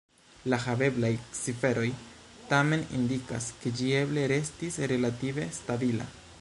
La haveblaj ciferoj tamen indikas, ke ĝi eble restis relative stabila.